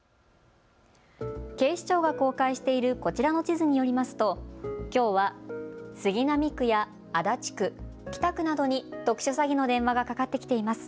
警視庁が公開しているこちらの地図によりますときょうは杉並区や足立区、北区などに特殊詐欺の電話がかかってきています。